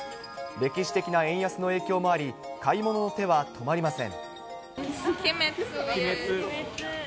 歴史的な円安の影響もあり、買い物の手は止まりません。